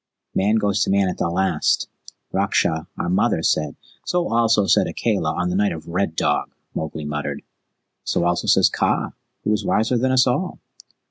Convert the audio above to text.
"Man goes to Man at the last. Raksha, our mother, said " "So also said Akela on the night of Red Dog," Mowgli muttered. "So also says Kaa, who is wiser than us all."